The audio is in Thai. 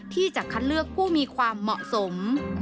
ที่จะคัดเลือกผู้มีความเหมาะสม